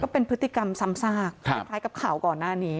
เป็นพฤติกรรมซ้ำซากคล้ายกับข่าวก่อนหน้านี้